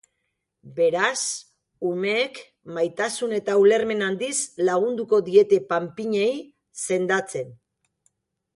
Beraz, umeek maitasun eta ulermen handiz lagunduko diete panpinei sendatzen.